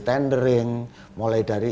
tendering mulai dari